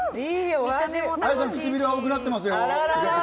愛さん、唇、青くなってますよ。